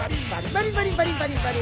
バリバリバリバリバリ！